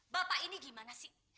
bapak ini gimana sih